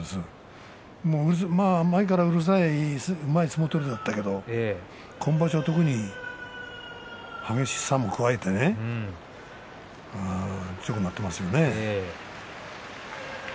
前からうるさい、うまい相撲取りだったけれど今場所は特に激しさも加えてね強くなっているね。